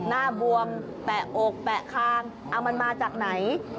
บวมแปะอกแปะคางเอามันมาจากไหน